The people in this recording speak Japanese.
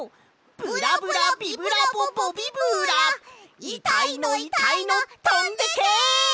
ブラブラビブラボボビブラいたいのいたいのとんでけ！